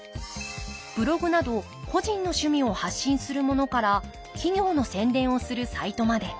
ブログなど個人の趣味を発信するものから企業の宣伝をするサイトまで。